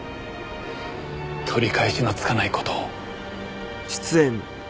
取り返しのつかない事を。